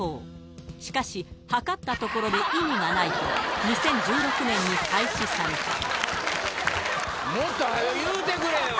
しかし測ったところで意味がないと２０１６年に廃止されたもっと早言うてくれよ！